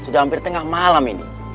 sudah hampir tengah malam ini